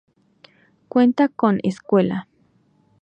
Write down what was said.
Cuenta con escuela.